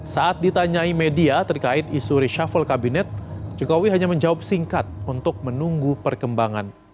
saat ditanyai media terkait isu reshuffle kabinet jokowi hanya menjawab singkat untuk menunggu perkembangan